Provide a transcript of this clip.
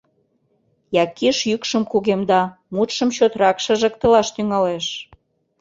Якиш йӱкшым кугемда, мутшым чотрак шыжыктылаш тӱҥалеш.